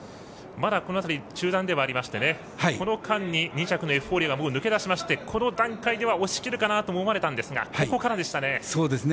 まだ、この辺り中団ではありましてこの間に２着のエフフォーリアが抜け出してまして、この段階では押し切るかなと思ったんですがここからでしたね。